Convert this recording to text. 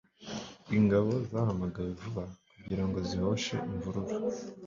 ingabo zahamagawe vuba kugirango zihoshe imvururu